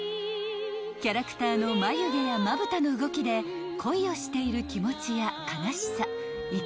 ［キャラクターの眉毛やまぶたの動きで恋をしている気持ちや悲しさ怒りなどを描写］